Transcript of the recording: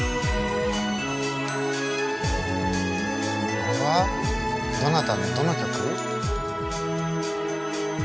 これはどなたのどの曲？